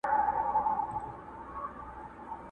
شرنګ د خپل رباب یم له هر تار سره مي نه لګي٫